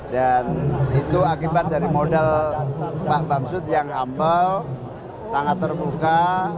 dan itu akibat dari modal pak bamsi yang humble sangat terbuka